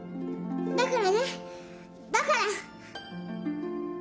だからねだから。